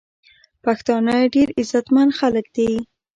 پښتانه ډیر عزت مند خلک دی.